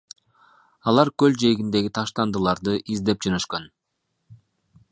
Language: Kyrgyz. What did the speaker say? Алар көл жээгиндеги таштандыларды издеп жөнөшкөн.